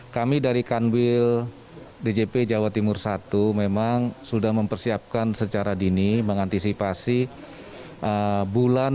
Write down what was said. kami dari kanwil djp jawa timur satu memang sudah mempersiapkan secara dini mengantisipasi bulan